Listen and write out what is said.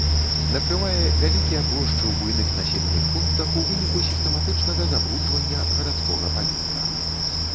Накрывае вялікія плошчы ў буйных населеных пунктах ў выніку сістэматычнага забруджвання гарадскога паветра.